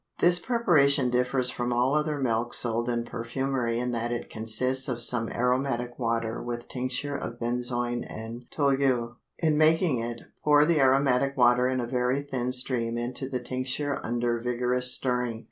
This preparation differs from all other milks sold in perfumery in that it consists of some aromatic water with tincture of benzoin and tolu. In making it, pour the aromatic water in a very thin stream into the tincture under vigorous stirring.